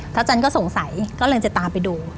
เท้าจันก็สงสัยก็เริ่มจะตามไปดู